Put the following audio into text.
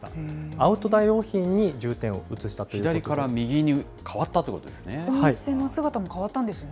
アウトドア用品に重点を移したと左から右に変わったというこお店の姿も変わったんですね。